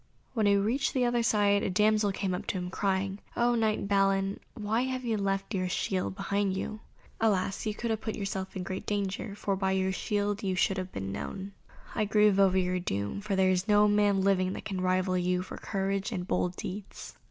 When he reached the other side, a damsel came to him crying, "O knight Balin, why have you left your own shield behind you? Alas! you have put yourself in great danger, for by your shield you should have been known. I grieve over your doom, for there is no man living that can rival you for courage and bold deeds."